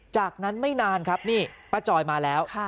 จากนั้นไม่นานครับนี่ป้าจอยมาแล้ว